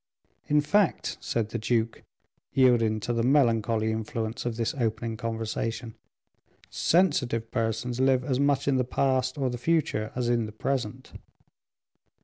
"In fact," said the duke, yielding to the melancholy influence of this opening conversation, "sensitive persons live as much in the past or the future, as in the present."